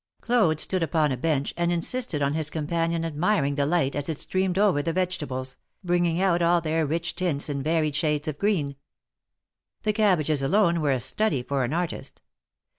Claude stood upon a bench and insisted on his companion admiring the light as it streamed over the vegetables, bringing out all their rich tints and varied shades of green. The cabbages alone were a study for an artist.